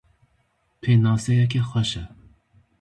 Pênaseyeke xweş e.